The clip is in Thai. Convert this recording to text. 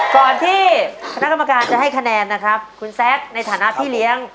ก่อนที่คณะกรรมการจะให้คะแนนนะครับคุณแซคในฐานะพี่เลี้ยง